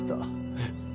えっ？